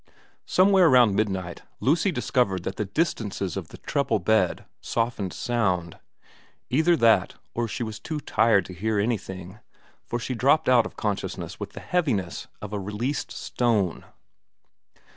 Somewhere round midnight Lucy discovered that the distances of the treble bed softened sound ; either that, or she was too tired to hear anything, for she dropped out of consciousness with the heaviness of a released stone.